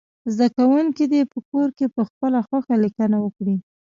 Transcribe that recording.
زده کوونکي دې په کور کې پخپله خوښه لیکنه وکړي.